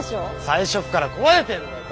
最初っから壊れてんだよ。